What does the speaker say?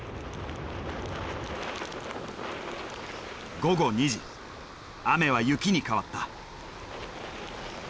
午後２時雨は雪に変わった。